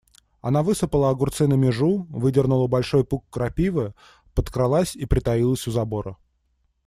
Она высыпала огурцы на межу, выдернула большой пук крапивы, подкралась и притаилась у забора.